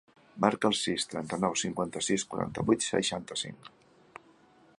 Marca el sis, trenta-nou, cinquanta-sis, quaranta-vuit, seixanta-cinc.